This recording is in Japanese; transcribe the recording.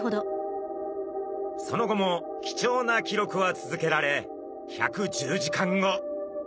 その後も貴重な記録は続けられ１１０時間後。